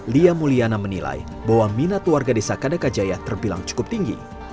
lia mulyana menilai bahwa minat warga desa kadakajaya terbilang cukup tinggi